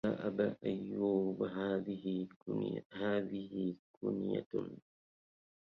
يا أبا أيوب هذي كنية